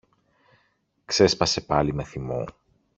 ξέσπασε πάλι με θυμό.